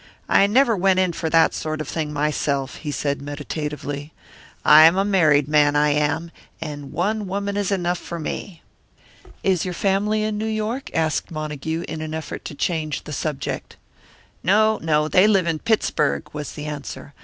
"I never went in for that sort of thing myself," he said meditatively; "I am a married man, I am, and one woman is enough for me." "Is your family in New York?" asked Montague, in an effort to change the subject. "No, no, they live in Pittsburg," was the answer.